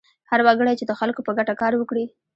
هر وګړی چې د خلکو په ګټه کار وکړي.